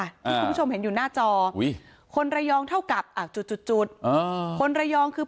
ที่คุณผู้ชมเห็นอยู่หน้าจอคนระยองเท่ากับจุดคนระยองคือ